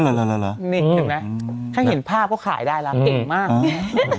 นี่เห็นไหมถ้าเห็นภาพก็ขายได้แล้วเก่งมาก